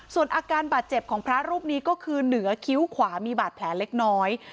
ส่วนอาการบาดเจ็บของพระรูปนี้ก็คือเหนือคิ้วขวามีบาดแผลเล็กน้อย